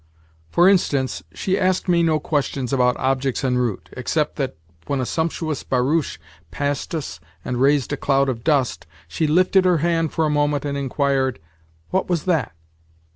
For instance, she asked me no questions about objects en route, except that, when a sumptuous barouche passed us and raised a cloud of dust, she lifted her hand for a moment, and inquired, "What was that?"